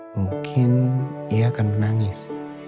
mungkin ia akan menangis